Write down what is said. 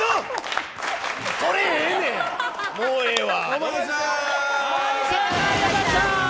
それええねん、もうええわ。